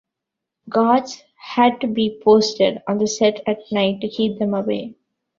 Guards had to be posted on the set at night to keep them away.